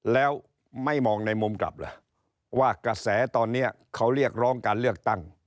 แล้วไม่มองในมุมกลับเหรอว่ากระแสตอนนี้เขาเรียกร้องการเลือกตั้ง